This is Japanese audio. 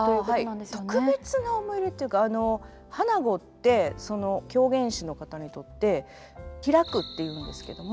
特別な思い入れというか「花子」って狂言師の方にとって「披く」って言うんですけども。